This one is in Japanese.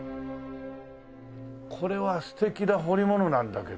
これは素敵な彫り物なんだけど。